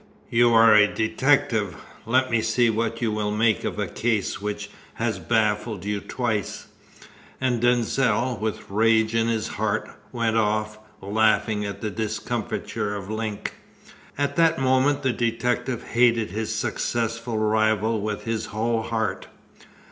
You are a detective; let me see what you will make of a case which has baffled you twice!" and Denzil, with rage in his heart, went off, laughing at the discomfiture of Link. At that moment the detective hated his successful rival with his whole heart.